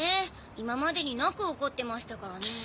今までになく怒ってましたからね。